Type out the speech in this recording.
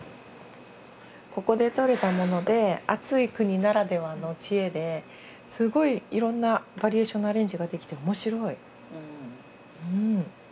ここでとれたもので暑い国ならではの知恵ですごいいろんなバリエーションのアレンジができて面白い。